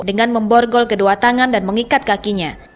dengan memborgol kedua tangan dan mengikat kakinya